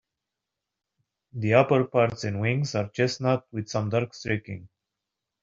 The upperparts and wings are chestnut with some dark streaking.